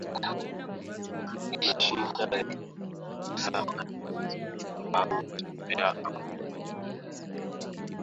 Unyonge na shida ya kupumua hasa baada ya mazoezi au kutembea au kukimbia